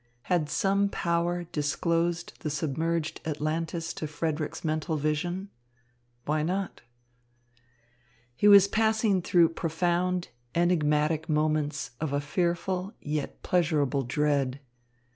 Had some power disclosed the submerged Atlantis to Frederick's mental vision? Why not? He was passing through profound, enigmatic moments of a fearful yet pleasurable dread.